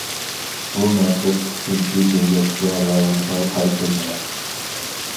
بۇ مەشىق ئۈچىنچى دۆلەت ۋە رايونغا قارىتىلمىغان.